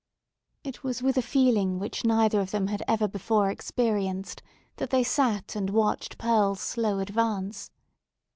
It was with a feeling which neither of them had ever before experienced, that they sat and watched Pearl's slow advance.